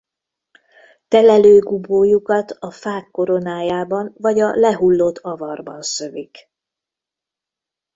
Telelő gubójukat a fák koronájában vagy a lehullott avarban szövik.